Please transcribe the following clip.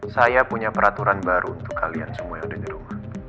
saya punya peraturan baru untuk kalian semua yang ada di rumah